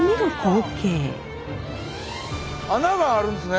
穴があるんすね。